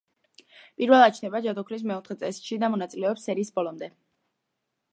პირველად ჩნდება ჯადოქრის მეოთხე წესში და მონაწილეობს სერიის ბოლომდე.